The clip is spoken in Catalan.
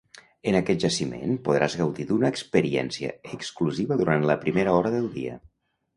En aquest jaciment podràs gaudir d'una experiència exclusiva durant la primera hora del dia.